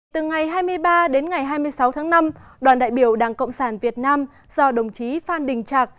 từ ngày hai mươi ba đến ngày hai mươi sáu tháng năm đoàn đại biểu đảng cộng sản việt nam do đồng chí phan đình trạc